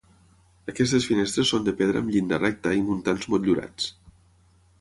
Aquestes finestres són de pedra amb llinda recta i muntants motllurats.